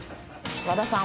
和田さん。